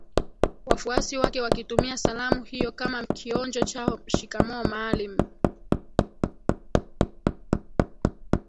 Wafuasi wake wakitumia salamu hiyo kama kionjo chao Shikamoo Maalim